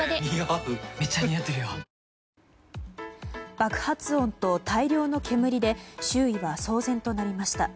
爆発音と大量の煙で周囲は騒然となりました。